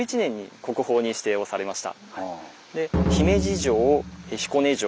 姫路城彦根城